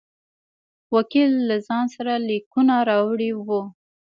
وکیل له ځان سره لیکونه راوړي وه.